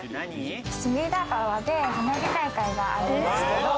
隅田川で花火大会があるんですけれども。